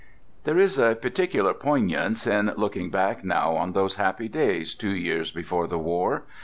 There is a particular poignance in looking back now on those happy days two years before the war.